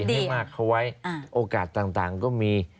ให้มากเขาไว้โอกาสต่างก็มี